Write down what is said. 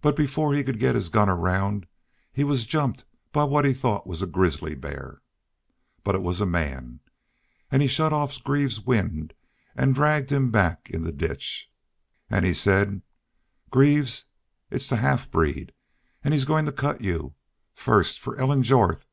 But before he could get his gun around he was jumped by what he thought was a grizzly bear. But it was a man. He shut off Greaves's wind an' dragged him back in the ditch. An' he said: 'Greaves, it's the half breed. An' he's goin' to cut you FIRST FOR ELLEN JORTH!